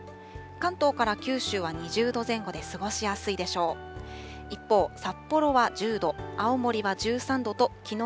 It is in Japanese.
関東から九州は２０度前後で過ごしやすいでしょう。